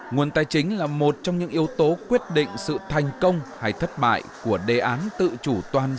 nguồn tài chính là một trong những yếu tố quyết định sự thành công hay thất bại của đề án tự chủ